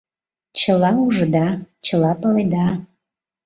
Чыла ужыда, чыла паледа...